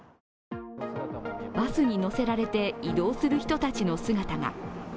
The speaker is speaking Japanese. バスに乗せられて移動する人たちの姿が。